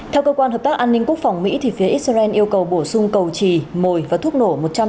theo cơ quan hợp tác an ninh quốc phòng mỹ phía israel yêu cầu bổ sung cầu trì mồi và thuốc nổ